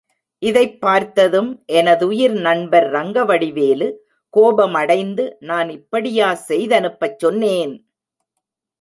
இதைப் பார்த்ததும், எனதுயிர் நண்பர் ரங்கவடிவேலு கோபமடைந்து, நான் இப்படியா செய்தனுப்பச் சொன்னேன்?